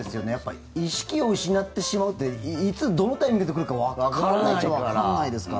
意識を失ってしまうっていつ、どのタイミングで来るかわからないから。